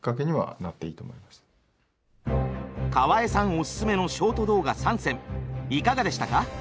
オススメのショート動画３選いかがでしたか？